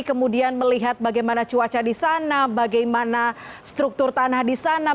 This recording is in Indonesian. kemudian melihat bagaimana cuaca di sana bagaimana struktur tanah di sana